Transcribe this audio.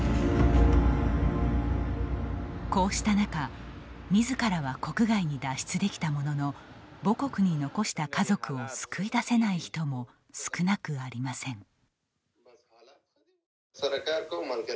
こうした中、みずからは国外に脱出できたものの、母国に残した家族を救い出せない人も少なくありません。